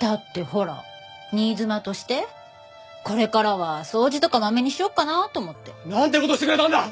だってほら新妻としてこれからは掃除とかまめにしようかなと思って。なんて事してくれたんだ！